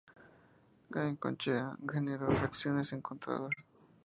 Goicoechea generó reacciones encontradas.